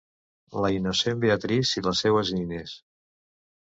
La innocent Beatrice i les seues nines...